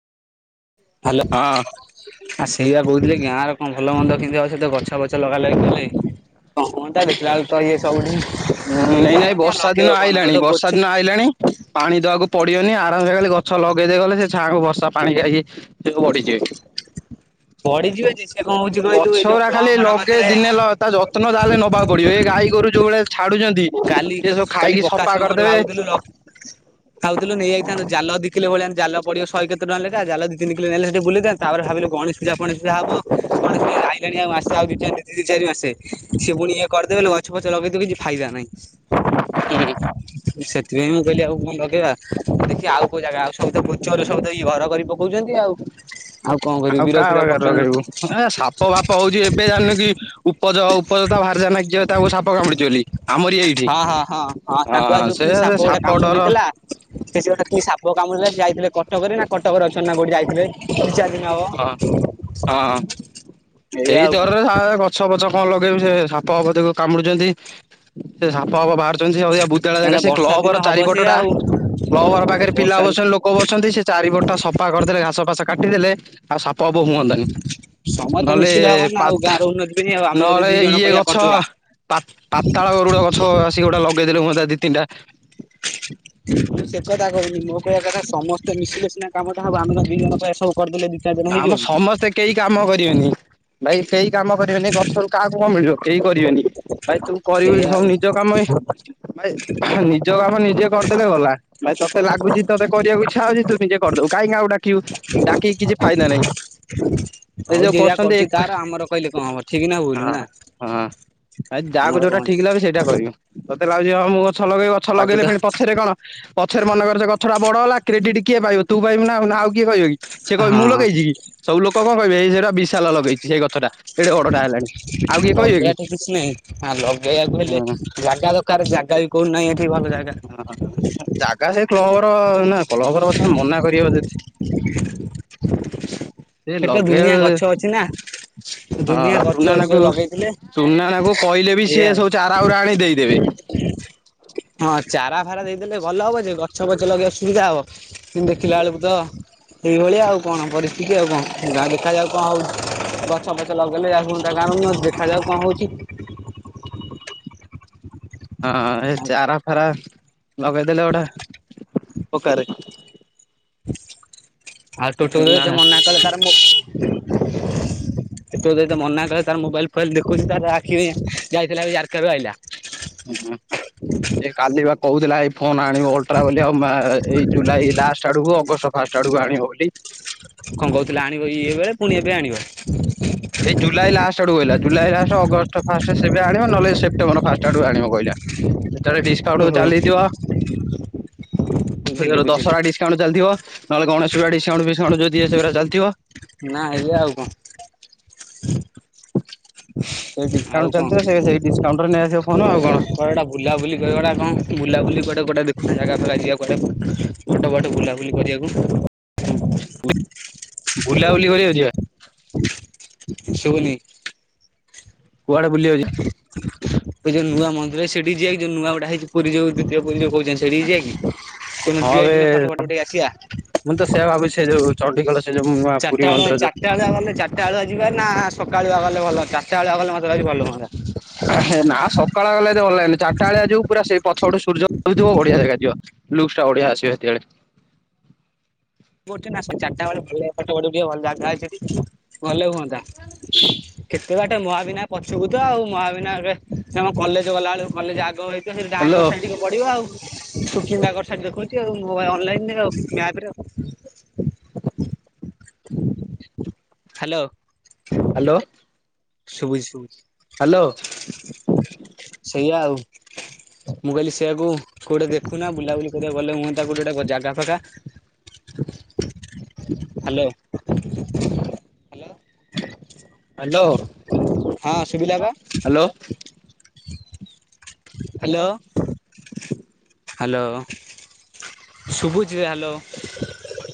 Hello ହଁ ଆ ସେଇଆ କହୁଥିଲି ଗାଁରେ କଣ ଭଲ ମନ୍ଦ କେମିତି [unintelligible] ଗଛ ଲଗାଲଗି କଲେ? ହନ୍ତା ଦେଖିଲା ବେଳୁ ତ ଇଏ ସବୁଠି ଏଇ ନାଇଁ ହେଇଯାଉଛି ଆଉ ବର୍ଷା ଦିନ ଲଗେଇବ କଣ ସବୁ ଆଇଲାଣି ତ ବର୍ଷା ଗୋଛୁ ଦିନ ଆଇଲାଣି ପାଣି ଦବାକୁ ପଡିବନି ଆରାମ୍ ସେ ଖାଲି ଗଛ ଲଗେଇଦେଇ ଗଲେ ସେ ଛାଙ୍କୁ ବସା ପାଣି ଖାଇକି [unintelligible] ବଢିଯିବେ। ବଢିଯିବ ଯେ ସେ କଣ ହୋଉଛି କହିଲୁ ଗଛ ଏଇ ଯୋଉ ଗୁରା ଖାଲି କ୍ଳବ ଘର ଲଗେଇ କତିରେ ଦିନେ ଲ ତା ଯତ୍ନ ଯାହେଲେ ନବାକୁ ପଡିବ ଏ ଗାଈ ଗୋରୁ ଯୋଉ ଭଳିଆ ଛାଡୁଛନ୍ତି କାଲି ସେ ସବୁ କାଲି ଖାଇକି ପକାଶ୍ ସଫା ମୋର କରିଦେବେ ଭାବୁଥିଲୁ ଲ ଖାଉଥିଲୁ ନେଇଯାଇଥାନ୍ତୁ ଜାଲ ଦି କିଲେ ଭଳିଆ ଜାଲ ପଡିବ ସହେ କେତେ ଟଙ୍କାଲେଖା ଦି ତିନିି କିଲେ ଆଣିଲେ ସେଠି ବୁଲେଇ ଥାନ୍ତେ ତାପରେ ଭାବିଲୁ ଗଣେଶ୍ ପୂଜା ଫଣେଶ୍ ପୂଜା ହବ ଆଇଲାଣି ଆଉ ମାସେ ଆ ଦିି ଚାରି ଦି ଦିନ୍ ଛାଡ଼ି ମାସେ ସିଏ ପୁଣି ଇଏ କରିଦେବେ ହେଲେ ଗଛ ପଛ ଲଗେଇଥିବୁ କିଛି ଫାଇଦା ନାହିଁ। ହୁଁ ସେଥିପାଇଁ ମୁଁ କହିଲି ଆଉ କଣ ଲଗେଇବା ଦେଖି ଆଉ ଜାଗା ଆଉ ସ ପୁଚରୁ ସୁ ଘର କରି କହୁଛନ୍ତି ଆଉ ଆଉ କଣ ଆଉ କରିବି ବୀର କାହା ଫିର ପାଖରେ ଲଗେଇବୁ ଏ ସାପ ଫାପ ହଉଛି ଏବେ ଜାଣିନୁ କରୁଛନ୍ତି କି ଉପଜ ଉପଜ ତା ବାହାରିା ନଁ ତାକୁ ସାପ କାମୁଡି ବୋଲି ଆମ ହଁ ହଁ ହଁ ହଁ ତାଙ୍କୁ ଆଉ ଯୋଉ କି ସାପ ଗୋଟେ କାମ ଦେଇଥିଲା ସେ ଗୋଟେ କି ସାପ ବାମୁ ସେ ଯାଇଥିଲେ କଟକରେ ନା କଟକରେ ଅଛନ୍ତି ନା କୋଉଠି ଯାଇଥିଲେ ଦିନ ହବ। ହଁ ହଁ ଏଇଆ ଏଇ ଆଉ କଣ ଦରରେ ଗଛ ଫଛ କଣ ଲଗେଇବି ସେ ସାପ ହବ କାମୁଡୁଛନ୍ତି ସେ ସାପ ହବ ବାହାର ସେ ଅଆ ଭୂତଳା ଜାଗା କାହିଁକିନା ସେ ବର୍ଷା କ୍ଲବର ଦିନ ହବ ସେଇଆ ଚାରିପଟଟା ଆଉ କ୍ଲବର ପାଖରେ ପିଲା ବର୍ଷା ବସଛନ୍ତି ଲୋକ ବସନ୍ତି ସେ ଚାରିପଟା ସଫା କରିଦେଲେ ଘାସ ଫାସ କାଟିଦେଲେ ପବ ହୁଅନ୍ତାନି। ସମସ୍ତେ ନହେଲେ ମିଶିଲେ ହବନି ନା ପା ଆଉ ଗାଁର ଉନ୍ନତି ପାଇଁ ଆଉ ଆମେ ଯଦି ନହେଲେ ଦି ଜଣ ଇଏ କହିବା ଗଛ କରିଦବା। ପାତାଳଗରୁଡ ଗଛ ଆସିକି ଗୋଟେ ଲଗେଇଦେଲେ ମୁ ଦି ତିନିଟା [unintelligible] ମୁଁ ସେ କଥା କହୁନି ମୋ କହିବା କଥା ସମସ୍ତେ ମିଶିଲେ ସିନା କାମଟା ହବ ଆମେ କଣ ଦିଜଣ ବିନନ କହିବା ସବୁ କରିଦେଲେ ଦି ଚାରି ଦିନ ଆମ ସମସ୍ତେ କେହି କାମ ହେଇଯିବକି। କରିବେନି। ଭାଇ କେହି କାମ କରିବେନି ଗଛ କାହାକୁ କଣ ମିଳିବ କେହି କରିବେନି। ଭାଇ ତୁ କରିବୁ ସେଇଆ ସବୁ ଆଉ। ନିଜ କାମ ଭାଇ ନିଜ କାମ ନିଜେ କରିଦେଲେ ଗଲା ଭ ତତେ ଲାଗୁଛି ତତେ କରିବାକୁ ଇଛା ହଉଛି ତୁ ନିଜେ କରିଦବୁ କାହିଁକି ଆଉ ଡାକିବୁ ଡାକିକି କିଛି ଫାଇଦା ନାହିଁ। ଏ ହଉ ଯୋଉ ଯିଏ ଯାହା କରୁଛନ୍ତି କରୁଛି ଏକ ତାର ଆମର କହିଲେ କଣ ହବ ଠିକ ନା ଭୁଲୂ ନା। ଆ ଯାହାକୁ ଆମର ଯୋଉଟା କଣ ଠିକ ଲାଗେ ସେଇଟା କରିବ। ମତେ ଲାଗୁଛି ହଁ ମୁଁ ଗଛ ଲଗେଇବି ଗଛ ତାକୁ ଲଗେଇଲେ ତ ପଣି ପଛରେ କଣ ପଛରେ ମନେ କରିଛ ଗଛଟା ବଡ ହେଲା କ୍ରେଡିଟ୍ କିଏ ପାଇବ ତୁ ପାଇବୁ ନା ଆଉ କିଏ ପାଇବ କି। ସେ କହିବି ମୁଁ ହଁ ଲଗେଇଛି କି ସବୁ ଲୋକ କଣ କହିବେ ଏଇ ସେଇଟା ବିଶାଲ ଲଗେଇଛି ସେଇ ଗଛ ଟା ଏଡେ ବଡ ଟା ହେଲାଣି। ଆଉ କିଏ କହିବେ ଲଗେଇବା କି ଟ କିଛି ନାହିଁ ଆ ଲଗେଇବାକୁ ହେଲେ ହଁ ଜାଗା ଦରକାର ଜାଗା ବି କୋଉୁ ନାହିଁ ଏଠି ଭଲ ଜାଗା ହଁ ଜାଗା ସେ ଲର ନା ପଲହବର କଥା ମନା କର ଯି ସେଇ ସେଠି ତ ଦୁନିଆ ଲଗେଇ ଗଛ ଅଛି ନା ଦୁନିଆ ହଁ ଗଛ ଅଛି ଯୋଉ ସୁନାଙ୍କୁ ଲଗେଇଥିଲେ ସୁନା ନାଙ୍କୁ କହିଲେ ବି ଏଇଆ ସିଏ ଆଉ। ସବୁ ଚାରା ଆରୁ ଆଣି ଦେଇଦେବେ। [unintelligible] ହଁ ଚାରା ଫାରା ଦେଇଦେଲେ ଭଲ ହବ ଯେ ଗଛ ଫଛ ଲଗେଇବା ସୁବିଧା ହବ କିନ୍ତୁ ଦେଖିଲା ବେଳକୁ ତ ସେଇଭଳିଆ ଆଉ କଣ ପରିସ୍ଥିତି ଆଉ କଣ ଯାହା ଦେଖା ଯାଉ କଣ ହଉ ଗଛ ଫଛ ଲଗେଇଲେ ଆଉ ହୁନ୍ତା କାରଣ ଦେଖାଯାଉ କଣ ହଉଛି। ହଁ ଏ ଚାରା ଫାରା ଲଗେଇଦେଲେ ଗୋଟେ ଓକାରେ ଆଉ ତୁ ଟିଏ ଯଉ ହଁ ମନା କଲେ ତାର ମୁ ତୁ ତ ମନା କଲେ ତାର ମୋବାଇଲ୍ ଫୋବାଇଲ ଦେଖୁଛି ତାର ଆଖି ଯାଇଥିଲା ଏଇ ଜାରକା ରୁ ଆଇିଲା। ହୁଁ ହ ସେ କାଲି ବା କହୁଥିଲା ଏଇ କଣ ଆଣିବ ଅଲଟ୍ରା ବୋଲି ଆ ଏଇ ଜୁଲାଇ ଲାଷ୍ଟ ଆଡକୁ ଅଗଷ୍ଟ ଫାଷ୍ଟ ଆଡକୁ ଆଣିବ ବୋଲି କଣ କହୁଥିଲା ଆଣିବ ଇଏ ବେଳେ ପୁଣି ଏବେ ଆଣିବ। ସେଇ ଜୁଲାଇ ଲାଷ୍ଟ ଆଡକୁ କହିଲା ଜୁଲାଇ ଲାଷ୍ଟ ଅଗଷ୍ଟ ଫାଷ୍ଟରେ ସେ ଆଣିବ ନହଲେ ସେପ୍ଟେମ୍ବର ଫାଷ୍ଟ ଆଡକୁ ଆଣିବ କହିଲା। ଡିସକାଉଣ୍ଟ ବି ଓହୋ ଚାଲିଥିବ ବୁଝିଲି ସେ ବୁଝିଲି ଦଶହରା ଡିସକାଉଣ୍ଟ ଚାଲିଥିବ ନହେଲେ ଗଣେଶ ପୂଜା ଡିସକାଉଣ୍ଟ ଫିସକାଉଣ୍ଟ ଯଉ ଦିଏ ସେଗୁଡ଼ା ଚାଲିଥିବ। ନା ଇଏ ଆଉ କଣ। [unintelligible] ସେଇ [unintelligible] ଡିସକାଉଣ୍ଟ ଆଉ କଣ ଚାଲିଥିବ ସେ ସେଇ ଡିସକାଉଣ୍ଟରେ ନେଇ ଆସିବ ଫୋନ୍ ଆଉ କଣ। କଣଟା ବୁଲାବୁଲି କରିବାର ନା କଣ ବୁଲାବୁଲି ଗୋଟେ ଗୋଟେ ଦେଖୁନ ଜାଗା ଫାଗା ଯିବା କୁଆଡେ ଗୋଟେ ପଟ ବୁଲାବୁଲି କରିବାକୁ। ହଁ ବୁଲାବୁଲି କରିବାକୁଯିବା ସୁବୁନି କୁଆଡେ ବୁଲିବାକୁ ଯିବା ଏ ଯୋଉ ନୂଆ ମନ୍ଦିର ସେଠି ଯିବା କି ଯୋଉ ନୂଆ ଗୋଟେ ହେଇଛି ପୁରୀ ଯଉ ଦ୍ୱିତୀୟ ପୁରୀ ଯୋଉ କହୁଛନ୍ତି ସେଠିକି ଯିବା କି କୋଉଦିନ ଯିବା ହଁବେ ଦିନେ ଫଟୋ ଫଟ ଉଠେଇକି ଆସିବା। ମୁଁ ତ ସେୟା ଭାବୁଛି ସେଇ ଜାଗା କୁ ଚଣ୍ଡୀ ଖୋଲ ଚାରିଟା ବେଳିଆ ଚାରଟା ବେଳିଆ ଗଲେ ଚାରିଟା ବେଳିଆ ଯିବା ନା ସକାଳୁଆ ଗଲେ ଭଲ ଚାରିଟା ବେଳଆ ଗଲେ ମତେ ଲାଗୁଛି ଭଲ ହୁଅନ୍ତା। ନା ସକାଳ ଗଲେ ହେରି ଅନଲାଇନ ଚାରିଟା ବେଳିଆ ଯୋଉ ପୁରା ସେଇ ପଛପଟେ ସୂର୍ଯ୍ୟ ଥିବ ବଢିଆ ଜାଗା ଥିବ ଲୁକ୍ସ ଟା ବଢିଆ ଆସିବ ସେତେବେଳେ ଗୋଟେ ନା ଚାରିଟା ବେଳେ ଭଲ ପଟ ଟିକେ ଭଲ ଜାଗା ଯାଇଥିଲେ ଭଲ ହୁଅନ୍ତା କେତେ ବାଟ ମହା ବିିନା ପଛକୁ ଆଉ ମହାବିନାୟରେମ କଲେଜ ଗଲାବେେଳକୁ କଲେଜ ଆଗ ହେଇଥିବ ସେଠି ହାଲୋ ଗାଁଙ୍କର ସାଇ ଟିକେ ପଡିବ ଆଉ କିଛି ଆୋବଲନପ [unintelligible] ହେଲୋ। ହାଲୋ। ଶୁଭୁଚି ହାଲୋ ଶୁଭୁଚି ଶୁଭିଲା ଆଉ ମୁଁ କହିଲି ସେୟଆକୁ କୋଉଟେ ଦେଖୁନା ବୁଲାବୁଲି କରିବାକୁ ଗଲେ ହୁଅନ୍ତା କଉଠି ଗୋଟେ ଜାଗା ଫାଗା ହାଲୋ ହାଲୋ ହାଲୋ ହଁ ଶୁବିଲା ବା ହାଲୋ। ହାଲୋ। ହାଲୋ ସୁବୁଛି ହାଲୋ।